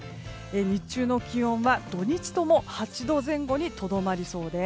日中の気温は、土日とも８度前後にとどまりそうです。